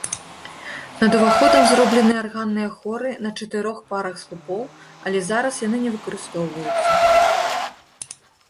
Над уваходам зроблены арганныя хоры на чатырох парах слупоў, але зараз яны не выкарыстоўваюцца.